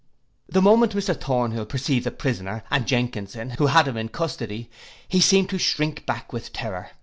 The moment Mr Thornhill perceived the prisoner, and Jenkinson, who had him in custody, he seemed to shrink back with terror.